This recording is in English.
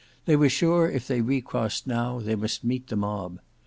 They were sure if they recrossed now, they must meet the mob.